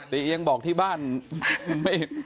ติยังบอกที่บ้านไม่ตรง